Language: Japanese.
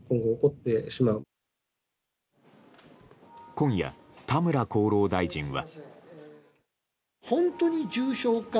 今夜、田村厚労大臣は。